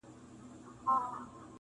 او کـنه بچـــوړیه خـــانان ښــۀ وائي